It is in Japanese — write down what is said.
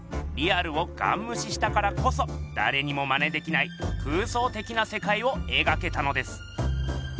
リアルをガンむししたからこそだれにもマネできない空想的なせかいをえがけたのです。